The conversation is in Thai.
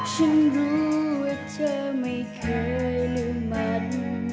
ฉันรู้ว่าเธอไม่เคยลืมมัน